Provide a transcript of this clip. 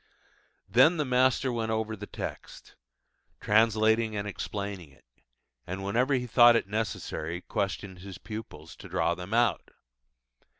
Then the master went over the text, translating and explaining it, and whenever he thought it necessary questioned his pupils, to draw them out.